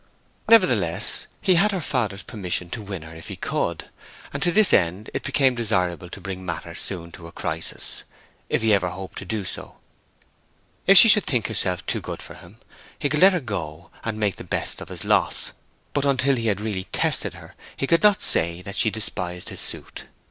Nevertheless, he had her father's permission to win her if he could; and to this end it became desirable to bring matters soon to a crisis, if he ever hoped to do so. If she should think herself too good for him, he could let her go and make the best of his loss; but until he had really tested her he could not say that she despised his suit.